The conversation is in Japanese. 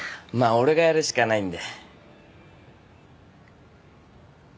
俺がやるしかないんで。